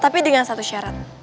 tapi dengan satu syarat